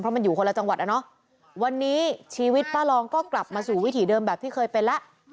มันอยู่คนละจังหวัดอะเนาะวันนี้ชีวิตป้ารองก็กลับมาสู่วิถีเดิมแบบที่เคยเป็นแล้ว